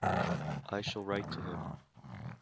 I shall write to him.